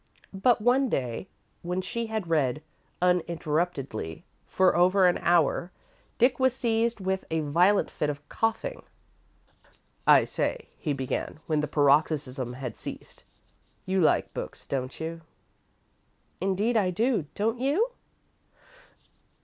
But, one day, when she had read uninterruptedly for over an hour, Dick was seized with a violent fit of coughing. "I say," he began, when the paroxysm had ceased; "you like books, don't you?" "Indeed I do don't you?"